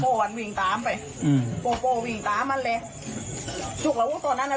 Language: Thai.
พ่ออันวิ่งตามไปอืมพ่อพ่อวิ่งตามอันเลยจุดหลังว่าตอนนั้นนะ